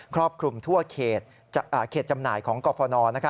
รอบคลุมทั่วเขตจำหน่ายของกรฟน